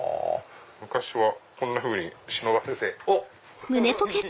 昔はこんなふうに忍ばせて。